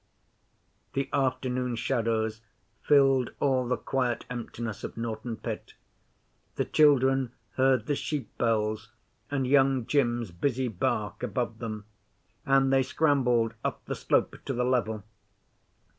The afternoon shadows filled all the quiet emptiness of Norton Pit. The children heard the sheep bells and Young jim's busy bark above them, and they scrambled up the slope to the level.